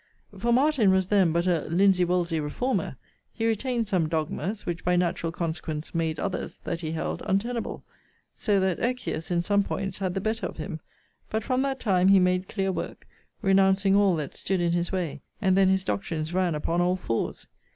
For Martin was then but a linsey wolsey reformer. He retained some dogmas, which, by natural consequence, made others, that he held, untenable. So that Eckius, in some points, had the better of him. But, from that time, he made clear work, renouncing all that stood in his way: and then his doctrines ran upon all fours.